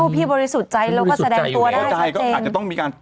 พี่บริสุทธิ์ใจแล้วก็แสดงตัวได้ซักเจน